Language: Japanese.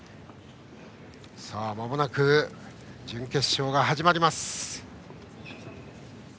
まもなく準決勝が始まります。